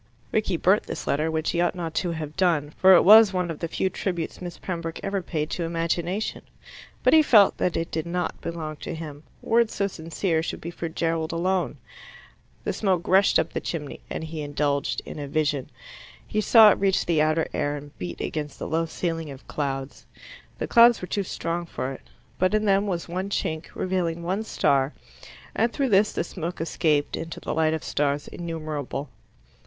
Rickie burnt this letter, which he ought not to have done, for it was one of the few tributes Miss Pembroke ever paid to imagination. But he felt that it did not belong to him: words so sincere should be for Gerald alone. The smoke rushed up the chimney, and he indulged in a vision. He saw it reach the outer air and beat against the low ceiling of clouds. The clouds were too strong for it; but in them was one chink, revealing one star, and through this the smoke escaped into the light of stars innumerable.